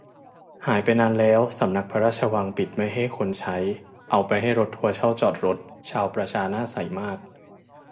หายไปนานแล้ว สำนักพระราชวังปิดไม่ให้คนใช้ เอาไปให้รถทัวร์เช่าจอดรถ ชาวประชาหน้าใสมาก